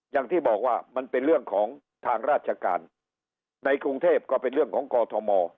อย่างที่บอกว่ามันเป็นเรื่องของทางราชการในกรุงเทพก็เป็นเรื่องของกอทม